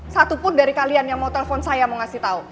satupun dari kalian yang mau telepon saya mau kasih tahu